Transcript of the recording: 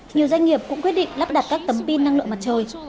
nhiều doanh nghiệp cũng quyết định lắp đặt các tấm pin năng lượng mặt trời